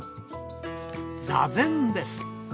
座禅です。